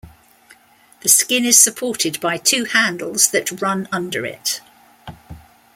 The skin is supported by two handles that run under it.